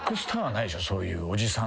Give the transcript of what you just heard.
そういうおじさん。